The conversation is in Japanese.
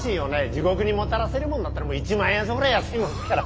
地獄にもたらせるもんだったら１万円やそこら安いもんですから。